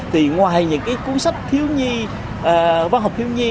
thì ngoài những cái cuốn sách thiếu nhi văn học thiếu nhi